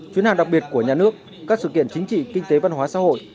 chuyến hàng đặc biệt của nhà nước các sự kiện chính trị kinh tế văn hóa xã hội